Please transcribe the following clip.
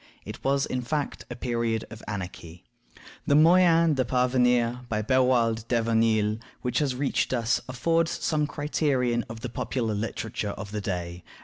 It was, in fact, a period of anarchy. The Moyen de parvenir, by Beroalde de Venille, which has reached us, affords some criterion of the popular literature of the day.